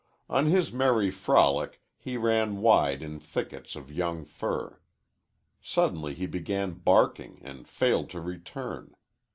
On his merry frolic he ran wide in thickets of young fir. Suddenly he began barking and failed to return.